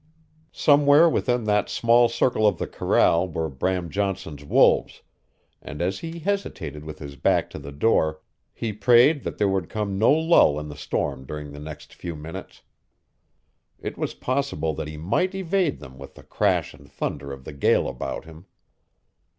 Somewhere within that small circle of the corral were Bram Johnson's wolves, and as he hesitated with his back to the door he prayed that there would come no lull in the storm during the next few minutes. It was possible that he might evade them with the crash and thunder of the gale about him.